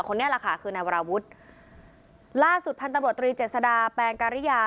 คนนี้แหละค่ะคือนายวราวุฒิล่าสุดพันธุ์ตำรวจตรีเจษดาแปงการิยา